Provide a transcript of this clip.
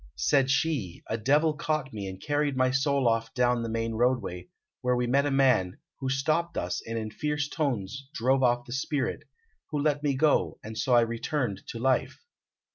Said she, 'A devil caught me and carried my soul off down the main roadway, where we met a man, who stopped us, and in fierce tones drove off the spirit, who let me go, and so I returned to life.'